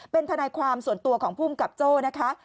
เป็นทนายความส่วนตัวของภูมิกับโจ้นะคะ